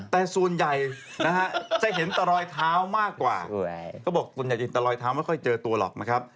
แต่ส่วนใหญ่นะฮะจะเห็นตะลอยเท้าไม่เจอตัวหรอกนะครับ